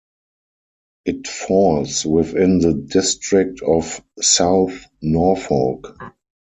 It falls within the district of South Norfolk.